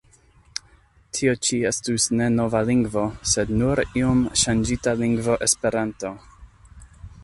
Tio ĉi estus ne nova lingvo, sed nur iom ŝanĝita lingvo Esperanto!